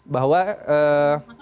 bahwa memang sudah ada